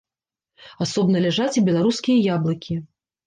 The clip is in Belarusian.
Асобна ляжаць і беларускія яблыкі.